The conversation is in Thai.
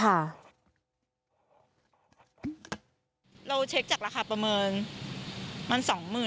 เราเช็คจากราคาประเมินมัน๒๐๐๐